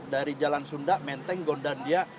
dari jalan sunda menteng gondandia